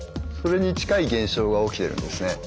それに近い現象が起きてるんですね。